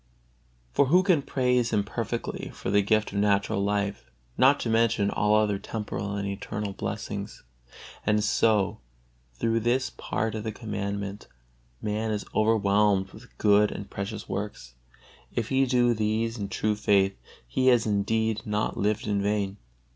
For who can praise Him perfectly for the gift of natural life, not to mention all other temporal and eternal blessings? And so through this one part of the Commandment man is overwhelmed with good and precious works; if he do these in true faith, he has indeed not lived in vain.